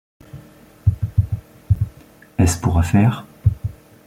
Est-ce pour affaire ?